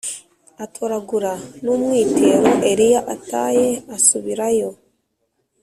Atoragura n umwitero Eliya ataye asubirayo